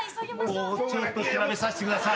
もうちょっと調べさせてください。